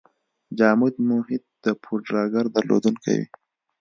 جامد محیط د پوډراګر درلودونکی وي.